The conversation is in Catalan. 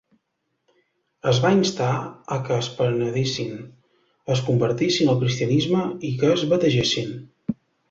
Els va instar a que es penedissin, es convertissin al cristianisme i que es bategessin.